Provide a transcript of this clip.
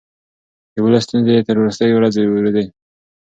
د ولس ستونزې يې تر وروستۍ ورځې اورېدې.